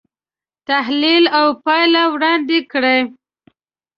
تحلیل او پایله وړاندې کړي.